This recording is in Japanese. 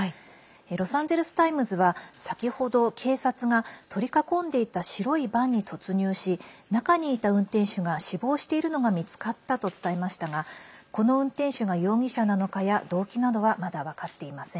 ロサンゼルス・タイムズは先ほど、警察が取り囲んでいた白いバンに突入し中にいた運転手が死亡しているのが見つかったと伝えましたがこの運転手が容疑者なのかや、動機などはまだ分かっていません。